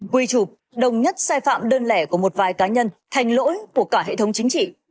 quy chụp đồng nhất sai phạm đơn lẻ của một vài cá nhân thành lỗi của cả hệ thống chính trị